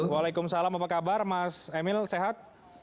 waalaikumsalam apa kabar mas emil sehat